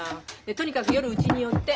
とにかく夜うちに寄って。